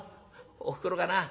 おふくろがな